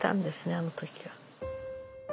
あの時は。